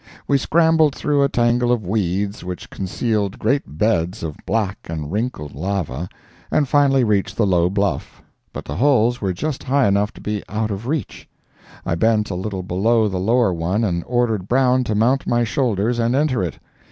We scrambled through a tangle of weeds which concealed great beds of black and wrinkled lava, and finally reached the low bluff. But the holes were just high enough to be out of reach. I bent a little below the lower one and ordered Brown to mount my shoulders and enter it.